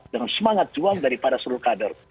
dengan semangat juang daripada seluruh kader